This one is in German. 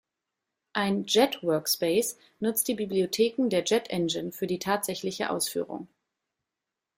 Ein „Jet Workspace“ nutzt die Bibliotheken der Jet-Engine für die tatsächliche Ausführung.